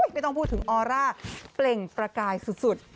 ไม่ต้องพูดถึงออร่าเปล่งประกายสุด